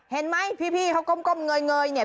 เห็นไหมพี่เขาก้มเงยเนี่ย